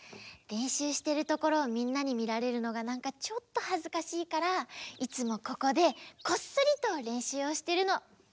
れんしゅうしてるところをみんなにみられるのがなんかちょっとはずかしいからいつもここでこっそりとれんしゅうをしてるの。